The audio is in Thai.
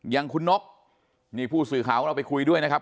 อย่างคุณนกนี่ผู้สื่อข่าวของเราไปคุยด้วยนะครับ